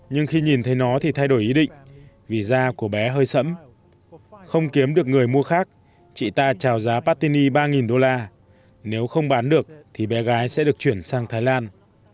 nhưng khi nhìn thấy nó thì thay đổi ý định vì da của bé hơi sẫm không kiếm được người mua khác chị ta trào giá paty ba đô la nếu không bán được thì bé gái sẽ được chuyển sang thái lan